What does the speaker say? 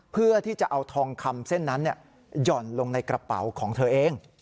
เพื่อที่จะเอาทองคำเส้นนั้นหย่อนลงในกระเป๋าของเธอเอง